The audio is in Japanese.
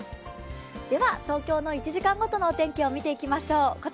では東京の１時間ごとのお天気を見ていきましょう。